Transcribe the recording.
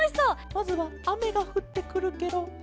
まずはあめがふってくるケロ。